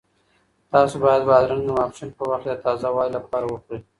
تاسو باید بادرنګ د ماسپښین په وخت کې د تازه والي لپاره وخورئ.